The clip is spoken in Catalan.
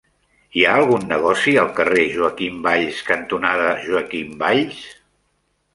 Hi ha algun negoci al carrer Joaquim Valls cantonada Joaquim Valls?